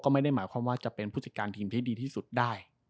ไม่ได้หมายความว่าจะเป็นผู้จัดการทีมที่ดีที่สุดได้